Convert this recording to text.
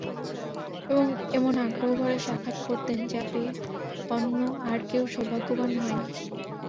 এবং এমন আগ্রহভরে সাক্ষাৎ করতেন যা পেয়ে অন্য আর কেউ সৌভাগ্যবান হয়নি।